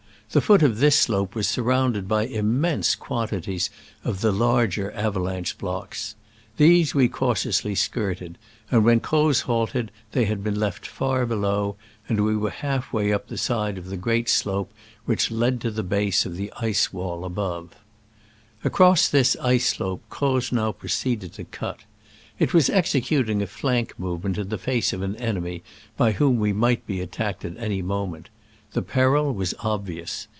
The foot of this slope was surrounded by immense quantities of the larger av alanche blocks. These we cautiously skirted, and when Croz halted they had been left far below, and we were half way up the side of the great slope which led to the base of the ice wall above. Across this ice slope Croz now pro ceeded to cut. It was executing a flank movement in the face of an enemy by whom we might be attacked at any mo ment. The peril was obvious.